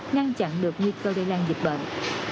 ngăn chặn được nhiệt cơ gây lan dịch bệnh